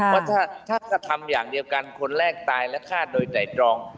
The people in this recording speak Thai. ว่าถ้าทำอย่างเดียวกันคนแรกตายและฆ่าโดยไตรตรอง